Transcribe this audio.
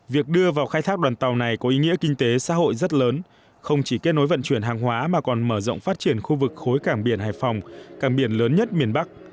việc đưa vào khai thác đoàn tàu này có ý nghĩa kinh tế xã hội rất lớn không chỉ kết nối vận chuyển hàng hóa mà còn mở rộng phát triển khu vực khối cảng biển hải phòng cảng biển lớn nhất miền bắc